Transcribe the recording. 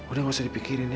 udah gak usah dipikirin ya